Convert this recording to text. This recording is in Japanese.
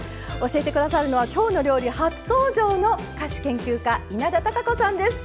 教えて下さるのは「きょうの料理」初登場の菓子研究家稲田多佳子さんです。